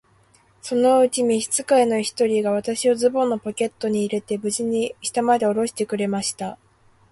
そのうちに召使の一人が、私をズボンのポケットに入れて、無事に下までおろしてくれました。